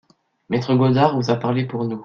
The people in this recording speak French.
Maître Godard vous a parlé pour nous…